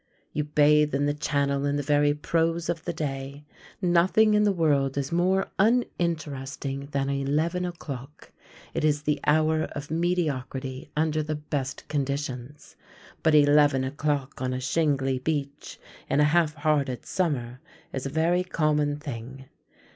You bathe in the Channel in the very prose of the day. Nothing in the world is more uninteresting than eleven o'clock. It is the hour of mediocrity under the best conditions; but eleven o'clock on a shingly beach, in a half hearted summer, is a very common thing.